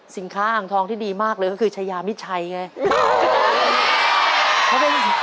อ่างทองที่ดีมากเลยก็คือชายามิดชัยไง